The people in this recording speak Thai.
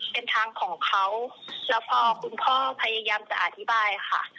เป็นทางของเขาแล้วพอคุณพ่อพยายามจะอธิบายค่ะ